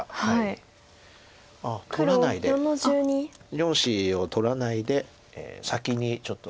４子を取らないで先にちょっと。